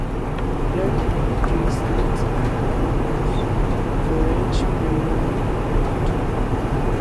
Blunthead tree snakes are carnivores that forage primarily at night.